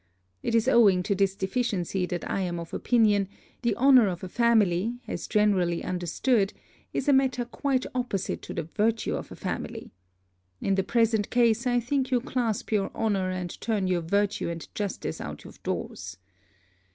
Is it owing to this deficiency that I am of opinion, the honour of a family, as generally understood, is a matter quite opposite to the virtue of a family. In the present case, I think you clasp your honour and turn your virtue and justice out of doors.